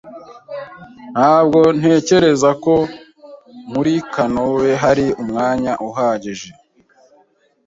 Ntabwo ntekereza ko muri kanoe hari umwanya uhagije.